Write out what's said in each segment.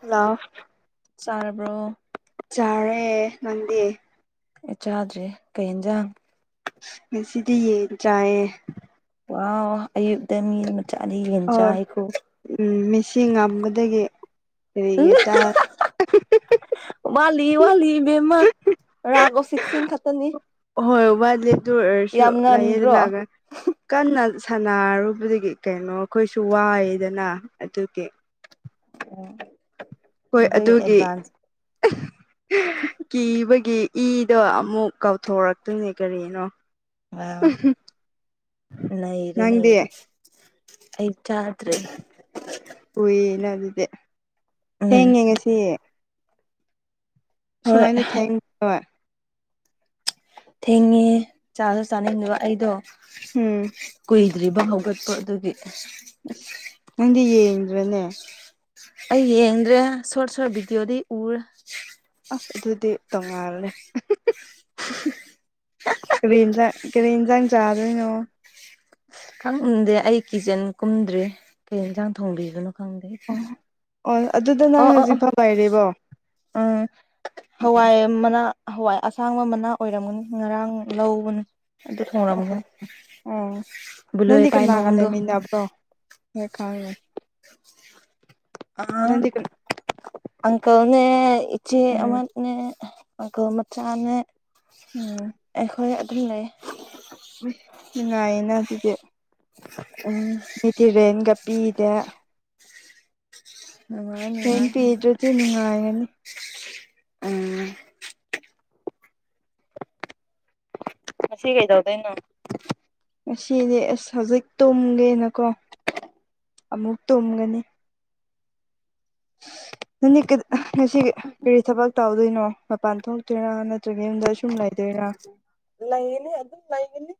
hello ꯆꯥꯔꯕ꯭ꯔꯣ ꯆꯥꯔꯦ ꯉꯟꯗꯦ ꯑꯦ ꯆꯥꯗ꯭ꯔꯦ ꯀꯩ ꯌꯦꯟꯖꯥꯡ ꯉꯁꯤꯗꯤꯤ ꯌꯦ ꯆꯏ ꯋꯥ ꯑꯌꯨꯛꯇꯛꯇ ꯃꯤ ꯃꯆꯥꯅꯤ ꯌꯦꯟ ꯆꯥ ꯍꯥꯏꯈꯣ ꯁꯤ ꯉꯝꯕꯗꯒꯤ ꯀꯔꯤꯉꯩ ꯆ ꯋꯥꯠꯂꯤ ꯋꯥꯠꯂꯤꯕꯦꯝꯃ ꯔꯥꯒ ꯑꯣꯁꯤꯛꯁꯤꯡ ꯈꯛꯇꯅꯤ ꯍꯣꯏ ꯋꯥꯠꯂꯤ ꯑꯗꯨ ꯑꯣꯏꯔꯁꯨ ꯌꯥꯝ ꯂꯩꯌꯦꯗ ꯉꯟꯗ꯭ꯔꯣ ꯂꯥꯛꯑꯒ ꯀꯟꯅ ꯁꯥꯟꯅꯔꯨꯕꯗꯒꯤ ꯀꯩꯅꯣ ꯑꯩꯈꯣꯏꯁꯨ ꯋꯥꯏꯗꯅ ꯑꯗꯨꯒꯤ ꯎꯝ ꯍꯣꯏ ꯑꯗꯨꯒꯤ ꯀꯤꯕꯒꯤ ꯏꯗꯣ ꯑꯃꯨꯛ ꯀꯥꯎꯊꯣꯔꯛꯇꯣꯏꯅꯦ ꯀꯔꯤꯅꯣ ꯋꯥ ꯅ ꯏꯔ ꯅꯪꯗꯤ ꯅꯔ ꯑꯩ ꯆꯥꯗ꯭ꯔꯦ ꯎꯏꯌꯦꯅ ꯑꯗꯨꯗꯤ ꯎꯝ ꯊꯦꯡꯉꯦ ꯉꯁꯤ ꯍꯣꯏ ꯁꯃꯥꯏꯅ ꯊꯦꯡ ꯊꯦꯡꯉꯦ ꯆꯥꯁꯨ ꯆꯥꯅꯤꯡꯗꯕ ꯑꯩꯗꯣ ꯎꯝ ꯂꯩꯗ꯭ꯔꯤꯕ ꯍꯧꯒꯠꯄ ꯑꯗꯨꯒꯤ ꯑꯁ ꯅꯪꯗꯤ ꯌꯦꯡꯗ꯭ꯔꯣꯅꯦ ꯑꯩ ꯌꯦꯡꯗ꯭ꯔꯦ ꯁꯣꯔꯠ ꯁꯣꯔꯠ ꯚꯤꯗꯤꯑꯣꯗꯤ ꯎꯔꯦ ꯑꯁ ꯑꯗꯨꯗꯤ ꯇꯣꯡꯉꯥꯜꯂꯦ [inaudible] ꯀꯔꯤ ꯌꯦꯟꯁꯥꯡ ꯀꯔꯤ ꯌꯦꯟꯁꯥꯡ ꯆꯥꯗꯣꯏꯅꯣ ꯈꯪ ꯎꯟꯗꯦ ꯑꯩ ꯀꯤꯆꯟ ꯀꯨꯝꯗ꯭ꯔꯦ ꯀꯩ ꯌꯦꯟꯁꯥꯡ ꯊꯣꯡꯕꯤꯕꯅꯣ ꯈꯗꯦ ꯑꯣ ꯑꯗꯨꯗ ꯑ ꯅꯪ ꯑ ꯑ ꯍꯧꯖꯤꯛ ꯐꯥꯎ ꯂꯩꯔꯤꯕꯣ ꯎꯝ ꯍꯋꯥꯏ ꯃꯅ ꯍꯋꯥꯏ ꯑꯁꯥꯡꯕ ꯃꯅꯥ ꯑꯣꯏꯔꯝꯒꯅꯤ ꯉꯔꯥꯡ ꯂꯧꯕꯅꯤ ꯑꯗꯨꯗ ꯈꯔꯍ ꯅꯟꯗꯤ ꯀꯅꯥꯒꯥ ꯂꯩꯦꯃꯤꯗꯥꯕ꯭ꯔꯣ ꯍꯣꯏ ꯈꯥꯣꯏ ꯑꯥ ꯅꯅꯤ ꯀ ꯑꯪꯀꯜꯅꯦ ꯏꯆꯦ ꯑꯃꯅꯦ ꯑꯪꯀꯜꯃ ꯆꯥꯅꯦ ꯎꯝ ꯑꯩꯈꯣꯏ ꯑꯗꯨꯝ ꯂꯩ ꯎ ꯅꯨꯡꯉꯥꯏꯌꯦꯅ ꯑꯗꯨꯗꯤ ꯎꯝ ꯇꯤꯔꯦꯟꯒ ꯄꯤꯗꯦ ꯅꯨꯡꯉꯥꯏ ꯍꯩꯅ ꯅꯨꯡꯉꯥꯏ ꯄꯤꯗ꯭ꯔꯗꯤ ꯅꯨꯡꯉꯥꯏꯔꯅꯤ ꯎꯝ ꯁꯤꯒꯩꯗꯥꯎꯗ ꯏꯅ ꯉꯁꯤꯗꯤ ꯑꯁ ꯍꯧꯖꯤꯛ ꯇꯨꯝꯒꯦꯅꯀꯣ ꯑꯃꯨꯛ ꯇꯨꯝꯒꯅꯤ ꯉꯁꯤ ꯀꯔꯤ ꯊꯕꯛ ꯇꯧꯗꯣꯏꯅꯣ ꯃꯄꯥꯟ ꯊꯣꯛꯇꯣꯏꯔꯥ ꯅꯠꯇ ꯌꯨꯝꯗ ꯁꯨꯝ ꯂꯩꯗꯣꯏꯔꯥ ꯂꯩꯒꯅꯤ ꯑꯗꯨꯝ ꯂꯩꯒꯅꯤ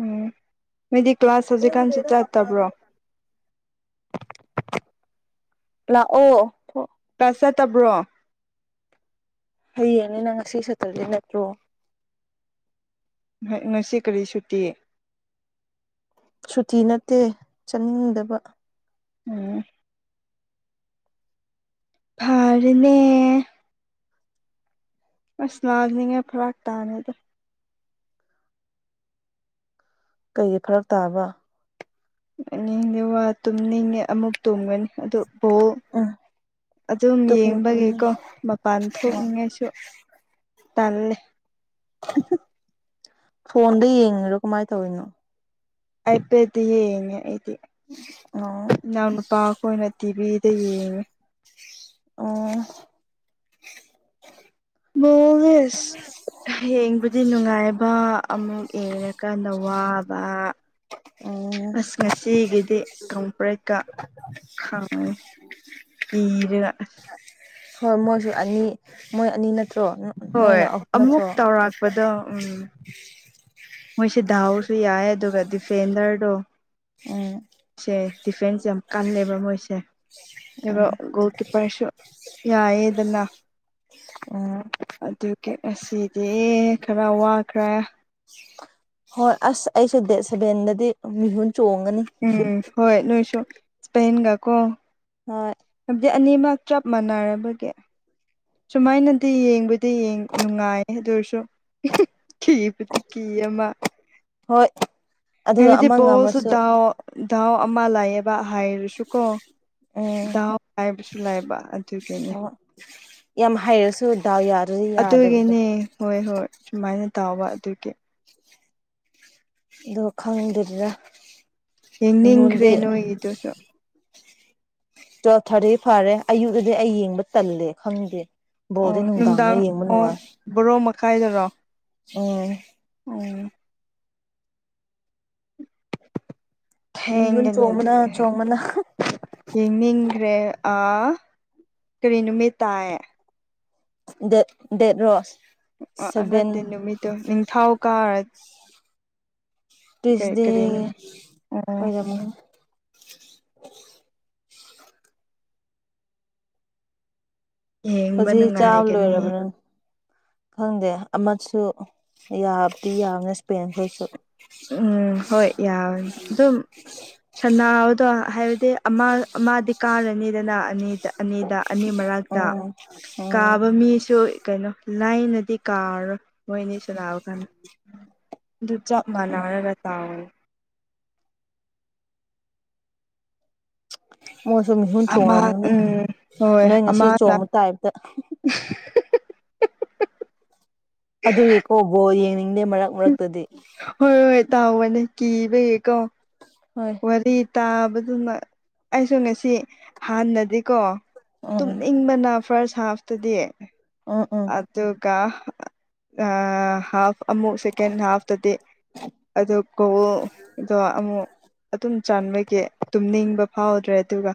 ꯎꯝ ꯃꯤꯗꯤ ꯀ꯭ꯂꯥꯁ ꯍꯧꯖꯤꯛꯀꯥꯟꯁꯨ ꯏꯪꯗꯦꯗ ꯃꯄꯥꯟꯗ ꯆꯠꯇꯕ꯭ꯔꯣ ꯂꯥꯛ ꯑꯣ ꯄ ꯆꯠꯇꯕ꯭ꯔꯣ ꯍꯌꯦꯅꯤ ꯅꯪ ꯉꯁꯤ ꯁꯠꯇ꯭ꯔꯗꯤꯦ ꯅꯠꯇ꯭ꯔꯣ ꯉꯁꯤ ꯀꯔꯤ ꯁꯨꯇꯤ ꯁꯨꯇꯤ ꯅꯠꯇꯦ ꯆꯠꯅꯤꯡꯗꯕ ꯎꯝ ꯐꯥꯔꯅꯦ ꯑ ꯁꯅꯥꯅꯤꯡꯉ ꯐ꯭ꯔꯥꯥꯛ ꯇꯥꯅꯗ ꯀꯩꯒꯤ ꯐꯔꯛ ꯇꯥꯕ ꯑꯒꯤ ꯋꯥ ꯇꯨꯝꯅꯤꯡꯉꯦ ꯑꯃꯨꯛ ꯇꯨꯝꯒꯅꯤ ꯑꯗꯨ ꯕꯣꯜ ꯎꯝ ꯑꯗꯨꯝ ꯇꯨꯝꯃꯣ ꯇꯨꯝꯃꯣ ꯌꯦꯡꯕꯒꯤꯀꯣ ꯃꯄꯥꯟ ꯊꯣꯛꯅꯤꯡꯉꯥꯏꯁꯨ ꯇꯟꯅꯦ ꯐꯣꯟꯗ ꯌꯦꯡꯉꯔꯣ ꯀꯃꯥꯏꯅ ꯇꯧꯔꯤꯅꯣ ꯍꯥꯏꯐꯦꯗꯤ ꯌꯦꯡꯉꯦ ꯑꯩꯗꯤ ꯑꯣ ꯏꯅꯥꯎ ꯅꯨꯄꯥ ꯑꯩꯈꯣꯏꯅ ꯇꯤꯚ ꯇ ꯑꯣ ꯃꯥꯨꯋꯁ ꯌꯦꯡꯕꯨꯗꯤ ꯅꯨꯡꯉꯥꯏꯕ ꯑꯃꯨꯛ ꯌꯦꯡꯉꯀꯥꯟꯗ ꯋꯥꯕ [inaudible] ꯑꯁ ꯉꯁꯤꯒꯤꯗꯤ ꯀꯝꯄ꯭ꯔꯦꯦꯛꯀ ꯈꯥꯡꯉꯤ ꯀꯤꯔꯅ ꯍꯣꯏ ꯃꯣꯏꯁꯨ ꯑꯅꯤ ꯃꯣꯏ ꯑꯅꯤ ꯅꯠꯇ ꯆ꯭ꯔꯣ ꯍꯣꯏ ꯅꯣꯏꯅ ꯑꯍꯨꯝ ꯑꯃꯨꯛ ꯅꯠꯇ꯭ꯔꯣ ꯇꯧꯔꯛꯄꯗꯣ ꯎꯝ ꯃꯣꯏꯁꯦ ꯗꯥꯎꯁꯨ ꯌꯥꯏ ꯑꯗꯨꯒ ꯗꯤꯐꯦꯟꯗꯔꯗꯣ ꯎꯝ ꯁꯦ ꯗꯤꯐꯦꯟꯁ ꯌꯥꯝ ꯀꯜꯂꯦꯕ ꯃꯣꯏꯁꯦ ꯎꯝ ꯣ ꯒꯣꯀꯤꯄꯥꯥꯏꯁ ꯌꯥꯑꯦꯗꯟꯅ ꯎꯝ ꯑꯗꯨ ꯑꯁꯤꯗꯤ ꯈꯔ ꯋꯥꯈ꯭ꯔꯦ ꯍꯣꯏ ꯑꯁ ꯑꯩꯁꯨ ꯗꯦ ꯁꯦꯕꯦꯟꯗꯗꯤ ꯃꯤꯍꯨꯟ ꯆꯣꯡꯒꯅꯤ ꯎꯝ ꯍꯣꯏ ꯂꯣꯏꯁꯨ ꯁꯄꯦꯟꯒ ꯀꯣ ꯍꯣꯏ ꯑꯗꯨꯗꯤ ꯑꯅꯤꯃꯛ ꯆꯞ ꯃꯥꯟꯅꯔꯕꯒꯦ ꯁꯨꯃꯥꯏꯅꯗꯤ ꯌꯦꯡꯕꯨꯗꯤ ꯅꯨꯡꯉꯥꯏ ꯑꯦ ꯇꯔꯁꯣ ꯊꯄ ꯇꯀꯤ ꯃꯥ ꯍꯣꯏ ꯑꯗꯨꯒ ꯍꯃꯤꯗꯤ ꯑꯃ ꯉꯝꯃꯁꯨ ꯣꯁꯨꯗꯥ ꯗꯥꯥꯎ ꯑꯃ ꯂꯥꯛꯑꯕ ꯍꯥꯏꯔꯁꯨꯀꯣ ꯎꯝ ꯗꯥꯎ ꯍꯥꯏꯕꯁꯨ ꯂꯩꯕ ꯑꯗꯨꯒꯤꯅꯤ ꯍꯣꯏ ꯌꯥꯝ ꯍꯥꯏꯩꯔꯁꯨ ꯑꯗꯨꯒꯤꯅꯦ ꯍꯣꯏ ꯍꯣꯏ ꯁꯨꯃꯥꯏꯅ ꯇꯥꯎꯕ ꯑꯗꯨꯒꯤ ꯑꯣ ꯈꯪꯗꯗꯔ ꯌꯦꯡꯅꯤꯡꯈ꯭ꯔꯦ ꯅꯣꯏꯒꯤꯗꯨꯁꯨ ꯇꯨꯋꯦꯜꯞ ꯊꯥꯔꯇꯤ ꯐꯔꯦ ꯑꯌꯨꯛꯇꯗꯤ ꯑꯩ ꯌꯦꯡꯕ ꯇꯜꯂꯦ ꯈꯪꯗꯦ ꯑꯣ ꯣꯜꯗꯅꯅꯨꯡꯗꯥꯅ ꯅꯨꯡꯗꯥꯡ ꯑꯣ ꯌꯦꯃꯅ ꯕꯣꯔꯣ ꯃꯈꯥꯏꯗꯔꯣ ꯎꯝ ꯎꯝ ꯃꯤꯍꯨꯟ ꯊꯦꯡꯒꯅꯤ ꯑꯗꯨ ꯆꯣꯡꯕꯅ ꯑꯗꯨꯗꯤ ꯆꯣꯡꯕꯅ ꯌꯦꯡꯅꯤꯡꯈ꯭ꯔꯦ ꯀꯔꯤ ꯅꯨꯃꯤꯠ ꯇꯥꯏ ꯗꯦ ꯗꯦꯠ ꯔꯣ ꯑ ꯅꯠꯇꯦ ꯅꯨꯃꯤꯠꯇ ꯅꯤꯡ ꯊꯥꯎ ꯀꯥ ꯇꯁꯗꯤ ꯀꯔꯤ ꯅꯨꯃꯤꯠ ꯑꯣ ꯑꯣꯏꯗꯃꯣꯏ ꯌꯦꯡꯕ ꯍꯧꯖꯤ ꯆꯥꯃ ꯅꯨꯡꯉꯥꯏꯒꯅꯤ ꯂꯣꯏꯔꯕ ꯅ ꯈꯪꯗꯦ ꯑꯃꯁꯨ ꯌꯥꯕꯗꯤ ꯌꯥꯕꯅꯦ ꯏꯁꯄꯦꯟꯈꯣꯏꯁꯨ ꯎꯝ ꯍꯣꯏ ꯌꯥꯔ ꯑꯗꯨꯝ ꯁꯅꯥ ꯑꯗꯣ ꯍꯥꯏꯕꯗꯤ ꯑꯃ ꯑꯃꯗꯤꯗꯤ ꯀꯥꯔꯅꯤꯗꯅ ꯑꯅꯤꯗ ꯑꯅꯤꯗ ꯑꯅꯤ ꯃꯔꯛꯇ ꯎꯝ ꯎꯝ ꯀꯥꯕ ꯃꯤꯁꯨ ꯀꯩꯅꯣ ꯂꯥꯏꯅ ꯁꯤꯤ ꯀꯥꯔ ꯃꯣꯏꯅꯤꯁꯨ ꯂꯥꯛꯑ ꯀꯥꯟꯗ ꯑꯗꯨ ꯆꯞ ꯃꯥꯟꯅꯅꯒ ꯇꯥꯎ ꯃꯣꯏꯁꯨ ꯃꯤꯍꯨꯟ ꯑꯃ ꯆꯣꯡꯉꯝꯒꯅꯤ ꯎꯝ ꯍꯣꯏ ꯅꯣꯏ ꯉꯁꯤ ꯑꯃꯅ ꯆꯣꯡꯕ ꯇꯥꯏꯞꯇ ꯑꯗꯨꯒꯤꯀꯣꯕꯣ ꯌꯦꯡꯅꯤꯡꯗꯦ ꯃꯔꯛ ꯃꯔꯛꯇꯗꯤ ꯍꯣꯏ ꯍꯣꯏ ꯇꯥꯎꯕꯅꯦ ꯀꯤꯕꯀꯣ ꯍꯣꯏ ꯋꯥꯔꯤ ꯇꯥꯕꯗꯨꯅ ꯑꯩꯁꯨ ꯉꯁꯤ ꯍꯥꯟꯅꯗꯤꯀꯣ ꯎꯝ ꯇꯨꯝꯅꯤꯡꯕꯅ ꯐꯥꯔꯁ ꯍꯥꯐꯇꯗꯤ ꯎꯝ ꯎꯝ ꯑꯗꯨꯒ ꯑ ꯍꯥꯐ ꯑꯃꯨꯛ ꯁꯦꯀꯦꯟ ꯍꯥꯐꯇꯗꯤ ꯑꯗꯨ ꯀꯣꯜꯗꯣ ꯑꯃꯨꯛ ꯑꯗꯨꯝ ꯆꯕꯒꯤ ꯇꯨꯝꯅꯤꯡꯕ ꯍꯥꯎꯗ꯭ꯔꯦ ꯑꯗꯨꯒ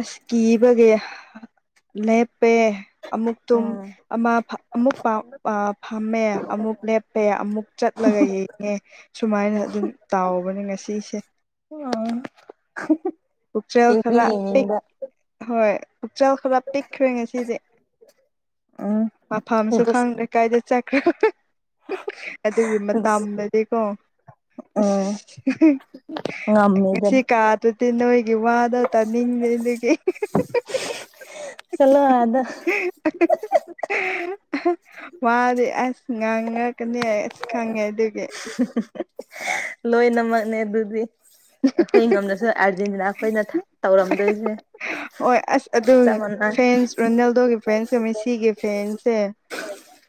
ꯑꯁ ꯀꯤꯕꯒꯤ ꯂꯦꯞ ꯄꯦ ꯑꯃꯨꯛ ꯇꯨꯝ ꯎꯝ ꯑꯃꯨꯛꯥꯎ ꯐꯝꯃꯦ ꯑꯃꯨꯛ ꯂꯦꯞꯄꯦ ꯑꯃꯨꯛ ꯆꯠꯂꯒ ꯌꯦꯡꯉꯦ ꯁꯨꯃꯥꯏꯅ ꯑꯗꯨꯝ ꯇꯥꯎꯕꯅꯦ ꯉꯁꯤꯁꯦ ꯎꯝ ꯎꯈ꯭ꯔꯦꯜ ꯌꯦꯡꯗꯤ ꯈꯔ ꯄ ꯌꯦꯡꯅꯤꯡꯕ ꯍꯣꯏ ꯄꯨꯛꯆꯦꯜ ꯈꯔ ꯄꯤꯛꯈ꯭ꯔꯦ ꯉꯁꯤꯗꯤ ꯎꯝ ꯃꯐꯝꯁꯨ ꯈꯪꯗ꯭ꯔꯦ ꯀꯥꯏꯗ ꯆꯄ ꯑꯗꯨꯒꯤ ꯃꯇꯝꯗꯗꯤꯀꯣ ꯑ ꯎꯝ ꯉꯁꯤ ꯉꯝꯃꯦꯗꯅ ꯀꯥꯗꯨꯗꯤ ꯅꯣꯏꯒꯤ ꯋꯥꯗꯧ ꯇꯥꯅꯤꯡꯗꯦ ꯑꯗꯨꯒꯤ ꯆꯂꯣ ꯑꯗ ꯃꯥꯗꯤ ꯑꯁ ꯉꯥꯡꯉꯛꯀꯅꯤ ꯑꯁ ꯈꯪꯉꯦ ꯑꯗꯨꯒꯤ ꯂꯣꯏꯅꯃꯛꯅꯦ ꯑꯗꯨꯗꯤ ꯑꯩꯈꯣꯏ ꯉꯝꯗꯁꯨ ꯑꯗꯨꯅꯤꯅ ꯑꯩꯈꯣꯏꯅ ꯇꯧꯔꯝꯗꯣꯏꯁꯦ ꯍꯣꯏ ꯑꯁ ꯑꯗꯨ ꯆꯞ ꯃꯥꯟꯅꯩ ꯐꯦꯟꯁ ꯔꯣꯅꯥꯜꯗꯣꯒꯤ ꯐꯦꯟꯁꯀ ꯃꯤꯁꯤꯒꯤ ꯐꯦꯟꯁꯁꯦ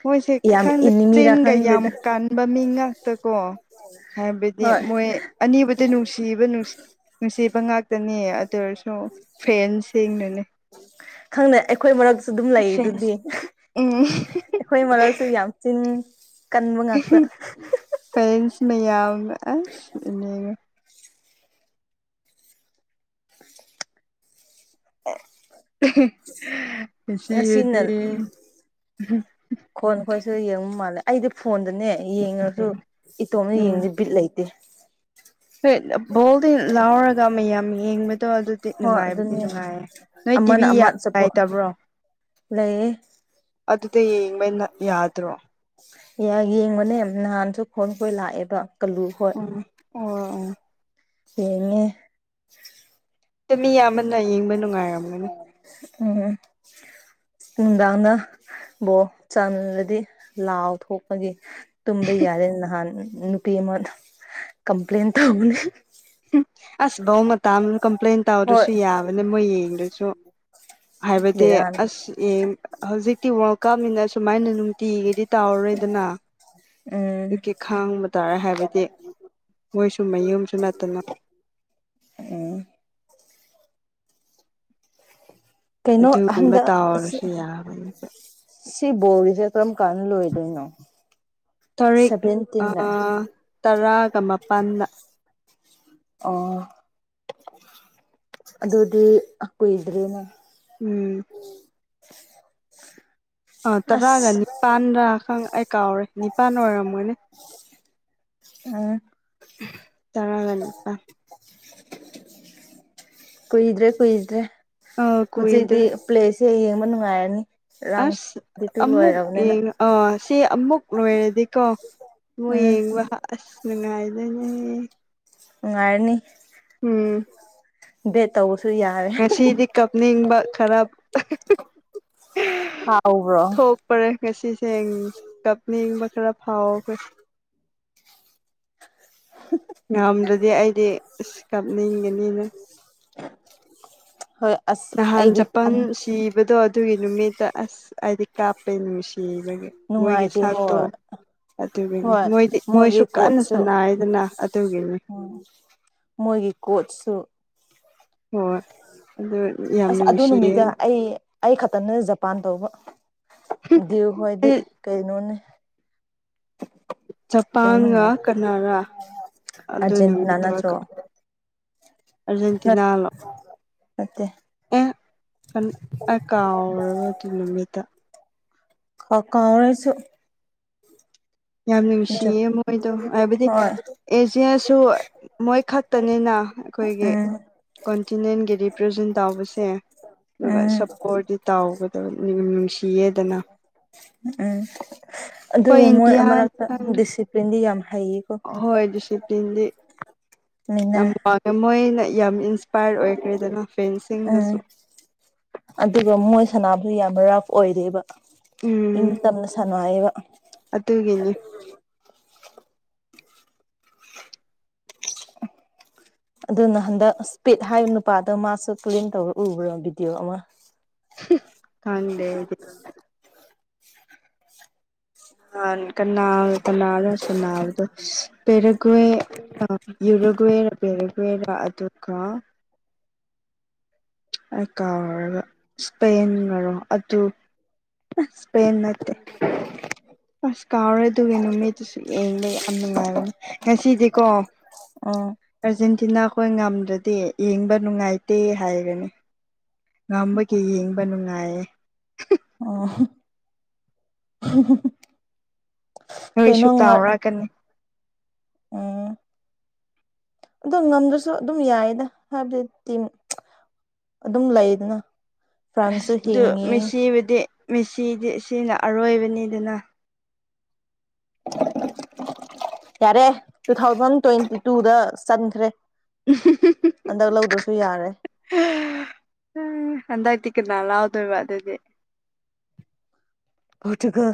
ꯃꯣꯏꯁꯦ ꯌꯥꯝ ꯈꯪꯅ ꯏꯅꯤꯡꯃꯤꯔꯥ ꯆꯤꯟꯒ ꯌꯥꯝ ꯈꯪꯗꯦꯗ ꯀꯟꯕ ꯃꯤ ꯉꯥꯛꯇ ꯀꯣ ꯍꯥꯏꯕꯗꯤ ꯍꯣꯏ ꯃꯣꯏ ꯑꯅꯤꯕꯨꯗ ꯅꯨꯡꯁꯤꯕ ꯅꯨꯡꯁꯤꯕ ꯉꯥꯛꯇꯅꯤ ꯑꯗꯨ ꯑꯣꯏꯁꯨ ꯐ꯭ꯔꯦꯟꯁꯤꯡꯅꯅꯦ ꯈꯪꯅ ꯑꯩꯈꯣꯏ ꯃꯔꯛ ꯁꯨ ꯑꯗꯨꯝ ꯂꯩ ꯐꯦꯟꯁ ꯑꯗꯨꯗꯤ ꯎꯝ ꯑꯩꯈꯣꯏ ꯃꯔꯛꯁꯨ ꯌꯥꯝ ꯆꯤꯟ ꯀꯟꯕ ꯉꯥꯛꯇ ꯐ ꯃ ꯌꯥ ꯉꯁꯤꯅ ꯁꯤꯗꯤ ꯈꯣꯟ ꯈꯣꯏꯁꯨ ꯌꯦꯡꯕ ꯃꯥꯜꯂꯦ ꯑꯩꯗꯤ ꯐꯣꯟ ꯑꯗꯨꯗꯅꯦ ꯌꯦꯡꯉꯁꯨ ꯏꯇꯣꯝꯅ ꯎꯝ ꯌꯦꯡꯗꯤ ꯕꯤꯠ ꯂꯩꯇꯦ ꯍꯣꯏ ꯕꯣꯜꯗꯤ ꯂꯥꯎꯔꯒ ꯃꯌꯥꯝ ꯌꯦꯡꯕ ꯗꯣ ꯑꯗꯨꯗꯤ ꯍꯣꯏ ꯅꯨꯡꯉꯥꯏꯕꯗꯤ ꯑꯗꯨꯅꯦ ꯅꯨꯡꯉꯥꯏꯌꯦ ꯅꯣꯏ ꯑꯃꯅ ꯇꯤꯚꯤ ꯑꯃ ꯑꯆꯥꯄꯣꯠ ꯂꯩꯇꯕ꯭ꯔꯣ ꯂꯩꯌꯦ ꯑ ꯌꯦꯡꯕꯩꯅ ꯌꯥꯗ꯭ꯔꯣ ꯌꯥ ꯌꯦꯡꯕꯅꯦ ꯅꯍꯥꯟꯁꯨ ꯈꯣꯟ ꯈꯣꯏ ꯂꯥꯛꯑꯦꯕ ꯀꯥꯜꯂꯨ ꯍꯣꯏ ꯎꯝ ꯑꯣ ꯁꯤꯉꯦ ꯑꯗꯨ ꯃꯤ ꯌꯥꯝꯕꯟꯅ ꯌꯦꯡꯕ ꯅꯨꯡꯉꯥꯏꯔꯝꯒꯅꯤ ꯎꯗꯥꯅ ꯣ ꯆꯪꯂꯗꯤ ꯂꯥꯎ ꯊꯣꯛꯄꯒꯤ ꯇꯨꯝꯕ ꯌꯥꯔꯦ ꯅꯍꯥꯟ ꯅꯨꯄꯤ ꯀꯝꯄ꯭ꯂꯦꯟ ꯇꯒꯅꯤ ꯑꯁ ꯕꯧ ꯃꯇꯥ ꯑꯃ ꯀꯝꯄ꯭ꯂꯦꯟ ꯍꯣꯏ ꯇꯧꯔꯁꯨ ꯌꯥꯕꯅꯦ ꯃꯣꯏ ꯌꯦꯡꯁꯨ ꯍꯥꯏꯕꯗꯤ ꯕꯦꯔꯥꯅꯤ ꯑꯁ ꯍꯧꯖꯤꯛꯇꯤ ꯋꯥꯔꯜ ꯀꯞꯅꯤꯅ ꯑ ꯁꯨꯃꯥꯏꯅ ꯅꯨꯡꯇꯤꯒꯤꯗꯤ ꯇꯧꯔꯣꯏꯗꯅ ꯎꯝ ꯑꯩꯀꯤ ꯈꯥꯡꯕ ꯇꯥꯔꯦ ꯍꯥꯏꯕꯗꯤ ꯃꯣꯏꯁꯨ ꯃꯌꯨꯝꯁꯨ ꯅꯠꯇꯅ ꯎꯝ ꯀꯩꯅꯣ ꯑꯗꯨꯒꯨꯝꯕ ꯑꯟꯗ ꯇꯥꯎꯔꯁꯨ ꯌꯥꯕꯅꯤ ꯁꯤ ꯣꯜꯔꯤꯁꯦ ꯀꯟꯂꯣꯣꯏꯗꯅ ꯇꯔꯤꯛ ꯇꯔꯥꯒ ꯃꯥꯄꯜꯗ ꯑꯣ ꯑꯗꯨꯗꯤ ꯑ ꯀꯣꯏ ꯏꯗ꯭ꯔꯦꯅꯦ ꯎꯝ [inaudible] ꯑꯥ ꯇꯔꯥꯒ ꯑꯁ ꯅꯤꯄꯥꯥꯟꯗ ꯈ ꯑꯩ ꯀꯥꯎꯔꯦ ꯅꯤꯄꯥꯥꯟ ꯑꯣꯏꯔꯝꯒꯣꯏꯅꯦ ꯑ ꯆꯔꯒꯅꯤꯄꯥ ꯀꯨꯏꯗ꯭ꯔꯦ ꯀꯨꯏꯗ꯭ꯔꯦ ꯑ ꯍꯧꯖꯤꯛꯗꯤ ꯀꯨꯏꯗ꯭ꯔꯦ ꯄ꯭ꯂꯦꯁ ꯁꯤꯦ ꯌꯦꯡꯕ ꯅꯨꯡꯉꯥꯏꯔꯅꯤ ꯔꯥꯎꯟ ꯑꯁ ꯗꯤ ꯇꯨ ꯑꯃꯨꯛ ꯂꯣꯏꯔꯕꯅꯤꯅ ꯌꯦꯡꯉ ꯑꯥ ꯁꯤ ꯑꯃꯨꯛ ꯂꯣꯏꯔꯗꯤꯀꯣ ꯍ ꯎꯝ ꯌꯦꯡꯕ ꯑꯁ ꯅꯨꯡꯉꯥꯏꯗꯅꯦ ꯉꯅꯨꯡꯉꯥꯏꯔꯅꯤ ꯎꯝ ꯦ ꯇ ꯉꯁꯤꯗꯤ ꯀꯞꯅꯤꯡꯕ ꯈꯔ ꯎꯠ ꯍꯥꯎꯕ꯭ꯔꯣ ꯊꯣꯛꯄꯔꯦ ꯉꯁꯤꯁꯦ ꯀꯞꯅꯤꯡꯕ ꯈꯔ ꯐꯥꯎꯈ꯭ꯔꯦ ꯍ ꯉꯝꯗ꯭ꯔꯗꯤ ꯑꯩꯗꯤ ꯑꯁ ꯀꯥꯞꯅꯤꯡꯒꯅꯤꯅ ꯍꯣꯏ ꯑꯁ ꯅꯍꯥꯟ ꯑꯩꯗꯤ ꯖꯄꯥꯟ ꯁꯤꯕꯗꯣ ꯑꯗꯨꯒꯤ ꯅꯨꯃꯤꯠꯇ ꯑꯁ ꯍꯥꯏꯗꯤ ꯀꯥꯞꯄꯩ ꯅꯨꯡꯁꯤ ꯍꯣꯏꯒꯤ ꯅꯨꯡꯉꯥꯏꯇꯦ ꯁꯠꯇꯣ ꯍꯣꯏ ꯑꯗꯨꯒꯤꯅꯤ ꯍꯣꯏ ꯃꯣꯏꯗꯤ ꯃꯣꯏꯁꯨ ꯃꯣꯏꯒꯤ ꯀꯟꯅ ꯀꯣꯠꯁꯨ ꯁꯥꯟꯅ ꯍꯥꯏꯗꯅ ꯑꯗꯨꯒꯤꯅꯤ ꯎꯝ ꯃꯣꯏꯒꯤ ꯀꯣꯆꯁꯨ ꯍꯣꯏ ꯑꯗꯨ ꯌꯥꯝ ꯑꯁ ꯑꯗꯨ ꯅꯨꯡꯁꯤꯌꯦ ꯅꯨꯃꯤꯠꯇ ꯑꯩ ꯑꯩ ꯈꯛꯇꯅꯦ ꯖꯄꯥꯟ ꯇꯧꯕ ꯗꯤꯈꯣꯏꯗꯤ ꯑꯩ ꯀꯩꯅꯣꯅꯦ [inaudible] ꯌꯥꯝ ꯖꯄꯥꯟꯒ ꯅꯨꯡꯉꯥꯏ ꯀꯅꯥꯔꯥ ꯑꯗꯨ ꯑꯥꯔꯖꯦꯟꯇꯤꯅꯥ ꯅꯨꯃꯤꯠꯇ ꯅꯠꯇ꯭ꯔꯣ ꯑꯔꯖꯦꯟꯇꯤꯅꯥ ꯂꯣ ꯅꯠꯇꯦ ꯑꯦ ꯀꯥꯎꯔꯕꯗꯤ ꯅꯨꯃꯤꯠꯇ ꯍ ꯀꯥꯎ꯭ꯔꯦꯁꯨ ꯌꯥꯝ ꯅꯨꯡꯁꯤꯌꯦ ꯃꯣꯏꯗꯣ ꯍꯥꯏꯕꯗꯤ ꯍꯣꯏ ꯑꯦꯖꯦꯁꯨ ꯃꯣꯏ ꯈꯛꯇꯅꯤꯅ ꯑꯩꯈꯣꯏꯒꯤ ꯎꯝ ꯀꯣꯟꯇꯤꯅꯦꯟꯒꯤ ꯔꯤꯄ꯭ꯔꯖꯦꯟ ꯇꯧꯕꯁꯦ ꯑꯗꯨꯒ ꯎꯝ ꯁꯞꯄꯣꯔꯗꯤꯤ ꯇꯥꯎꯒꯗꯕ ꯅꯨꯡꯁꯤꯌꯦꯗꯅ ꯎꯝ ꯍꯣꯏ ꯑꯗꯨꯕꯨ ꯃꯣꯏ ꯏꯟꯗꯤꯌꯥ ꯑꯃꯛꯇ ꯗꯤꯁꯤꯄ꯭ꯂꯤꯟꯗꯤ ꯌꯥꯝ ꯍꯩꯌꯦꯀꯣ ꯍꯣꯏ ꯗꯤꯁꯤꯄ꯭ꯂꯤꯟꯗꯤ ꯃꯤꯅ ꯌꯥꯝ ꯋꯥꯡꯉꯦ ꯃꯣꯏꯅ ꯌꯥꯝ ꯏꯟꯁꯄꯥꯏꯌꯔ ꯑꯣꯏꯈ꯭ꯔꯦꯗꯅ ꯎꯝ ꯐꯦꯟꯁꯤꯡꯗꯁꯨ ꯁꯅꯥꯕꯨ ꯌꯥꯝꯅ ꯔꯐ ꯑꯣꯏꯔꯦꯕ ꯏꯪ ꯎꯝ ꯇꯝꯅ ꯁꯅꯉꯑꯕ ꯑꯗꯨꯒꯤꯅꯤ [inaudible] ꯑꯗꯨꯅ ꯍꯟꯗꯛ ꯏꯁꯄꯤꯠ ꯍꯥꯏꯕ ꯅꯨꯄꯥꯗꯣ ꯃꯥꯁꯨ ꯀ꯭ꯂꯤꯟ ꯇꯧꯔ ꯎꯕ꯭ꯔꯣ ꯚꯤꯗꯤꯑꯣ ꯑꯃ ꯊꯗꯦꯗꯤ ꯑ ꯀꯅꯥ ꯀꯅꯥꯜꯣ ꯁꯅꯥꯕꯗ ꯄꯔꯒꯋꯦ ꯑ ꯌꯨꯔꯒꯋꯦꯔ ꯄꯦꯔꯒꯋꯦꯔ ꯑꯗꯨꯒ ꯀꯥ ꯑꯣꯏꯔꯒ ꯏꯁꯄꯦꯟ ꯉꯔꯣ ꯑꯗꯨ ꯁꯄꯦꯟ ꯃꯠꯇꯦ ꯑꯁ ꯀꯥꯎꯔꯦ ꯑꯗꯨꯒꯒꯤ ꯅꯨꯃꯤꯠꯇꯨꯁꯨ ꯌꯦꯡꯕ ꯌꯥꯝ ꯅꯨꯡꯉꯥꯏꯕꯅꯦ ꯉꯁꯤꯗꯤꯀꯣ ꯎꯝ ꯑꯔꯖꯦꯟꯇꯤꯅꯥꯈꯣꯏ ꯉꯝ ꯑꯗꯨꯗꯤ ꯌꯦꯡꯕ ꯅꯨꯡꯉꯥꯏꯇꯦ ꯍꯥꯏꯒꯅꯤ ꯉꯝꯕꯒꯤ ꯌꯦꯡꯕ ꯅꯨꯡꯉꯥꯏ ꯍꯥꯏ ꯑ ꯅꯣꯏꯁꯨ ꯇꯥꯎꯔꯛꯀꯅꯤ ꯑ ꯑꯗꯣ ꯉꯝꯗ꯭ꯔꯁꯨ ꯑꯗꯨꯝ ꯌꯥꯏꯌꯦꯗ ꯍꯥꯏꯕꯗꯤ ꯇꯤ ꯑꯗꯨꯝ ꯂꯩꯗꯅ ꯑ ꯐ꯭ꯔꯥꯟꯁꯁꯨ ꯍꯤꯡꯉꯤ ꯃꯦꯁꯤꯕꯨꯗꯤꯦꯁꯤꯗꯤ ꯁꯤꯅ ꯑꯔꯣꯏꯕꯅꯤ ꯑꯗꯨꯅ ꯌꯥꯔꯦ ꯇꯨ ꯊꯥꯎꯖꯟ ꯇ꯭ꯋꯦꯟꯇꯤ ꯇꯨꯗ ꯆꯟꯈ꯭ꯔꯦ ꯍꯟꯗꯛ ꯂꯧꯗ꯭ꯔꯁꯨ ꯌꯥꯔꯦ ꯍꯟꯗꯛꯇꯤ ꯀꯅꯥ ꯂꯥꯛꯑꯣ ꯇꯕꯥꯗꯗꯤꯦ ꯍꯧꯇꯒ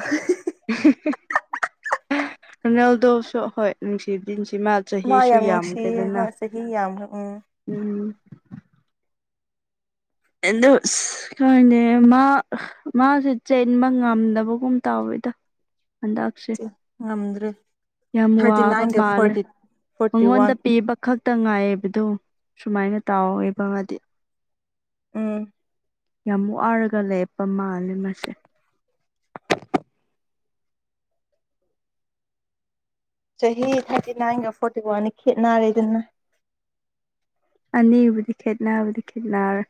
ꯅꯦꯜꯗ ꯁ ꯍꯣꯏ ꯅꯨꯡꯁꯤꯁꯨ ꯁꯤꯃꯥ ꯃꯥ ꯆꯍꯤꯁꯨ ꯌꯥꯝ ꯅꯨꯡꯁꯤꯌꯦ ꯌꯥꯝꯈ꯭ꯔꯦꯗꯅ ꯍꯣꯏ ꯆꯍꯤ ꯌꯥꯝꯈ꯭ꯔꯦ ꯎꯝ ꯎꯝ ꯑꯗꯣ ꯀꯅꯦ ꯃꯥ ꯃꯥꯁꯦ ꯆꯦꯟꯕ ꯉꯝꯗꯕꯒꯨꯝ ꯇꯧꯋꯦ ꯗ ꯅꯗ꯭ꯔꯦ ꯌꯥꯝ ꯊꯔꯇꯤ ꯋꯥꯕ ꯅꯦ ꯃꯥꯜꯂꯦ ꯐꯔꯇꯤ ꯃꯉꯣꯟꯗ ꯄꯤꯕ ꯈꯛꯇ ꯉꯥꯏꯕꯗꯣ ꯁꯨꯃꯥꯏꯅ ꯇꯥꯎꯦꯕꯒꯗꯤ ꯎꯝ ꯌꯥꯝ ꯋꯥꯔꯒ ꯂꯔꯞꯄ ꯃꯥꯜꯂꯦ ꯃꯥꯁꯦ ꯆꯍꯤ ꯊꯥꯔꯇꯤ ꯅꯥꯏꯟꯒ ꯐꯣꯔꯇꯤ ꯋꯥꯟꯅꯤ ꯈꯦꯠꯅꯔꯦꯗꯅ ꯑꯅꯤꯕꯨꯗꯤ ꯈꯦꯠꯅꯕꯕꯨꯗꯤ ꯈꯦꯠꯅꯔꯦ